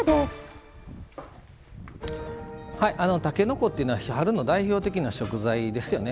たけのこというのは春の代表的な食材ですよね